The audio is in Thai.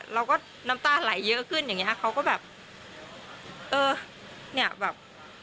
น้ำตาไหลเยอะขึ้นอย่างเงี้ยเขาก็แบบเออเนี่ยแบบ